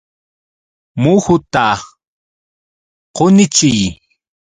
Muhuta qunichiy.